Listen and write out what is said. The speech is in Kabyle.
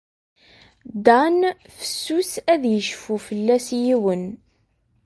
Dan fessus ad yecfu fell-as yiwen.